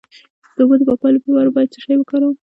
د اوبو د پاکوالي لپاره باید څه شی وکاروم؟